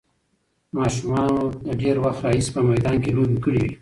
ماشومانو له ډېر وخت راهیسې په میدان کې لوبې کړې وې.